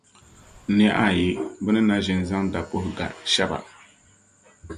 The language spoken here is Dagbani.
niɣ’ ayi bɛ ni ʒi n-zaŋ dapuhi ga shɛba.